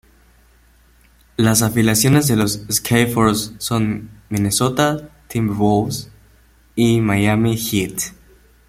Las afiliaciones de los Skyforce son Minnesota Timberwolves y Miami Heat.